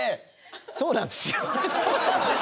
「そうなんですよ」。